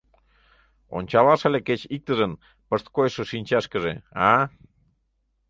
Ончалаш ыле кеч иктыжын пышткойшо шинчашкыже, а?!